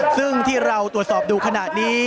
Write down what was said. ซึ่งที่เราตรวจสอบดูขณะนี้